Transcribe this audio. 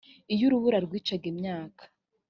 iyo urubura rwicaga imyaka